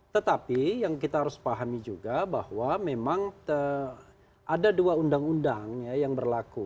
tetapi yang kita harus pahami juga bahwa memang ada dua undang undang yang berlaku